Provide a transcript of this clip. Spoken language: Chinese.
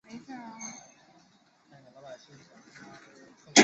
省会是石家庄市。